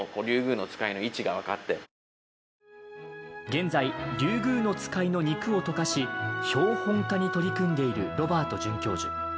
現在、リュウグウノツカイの肉を溶かし、標本化に取り組んでいるロバート准教授。